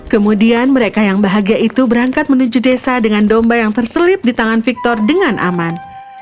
kemudian mereka yang bahagia itu berangkat menuju desa dengan domba yang terselip di tangan victor dengan aman